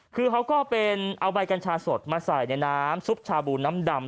คือเขาก็เป็นเอาใบกัญชาสดมาใส่ในน้ำซุปชาบูน้ำดำ